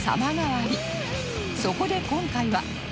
そこで今回は